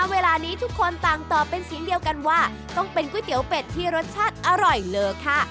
เวลานี้ทุกคนต่างตอบเป็นเสียงเดียวกันว่าต้องเป็นก๋วยเตี๋ยวเป็ดที่รสชาติอร่อยเลอค่ะ